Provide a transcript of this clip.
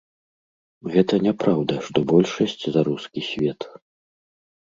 Гэта няпраўда, што большасць за рускі свет.